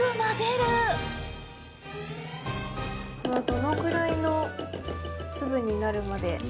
どのぐらいの粒になるまで？